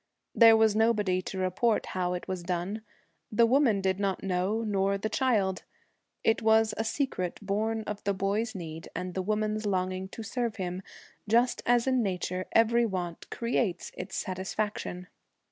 There was nobody to report how it was done. The woman did not know nor the child. It was a secret born of the boy's need and the woman's longing to serve him; just as in nature every want creates its satisfaction.